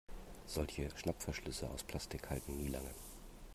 Solche Schnappverschlüsse aus Plastik halten nie lange.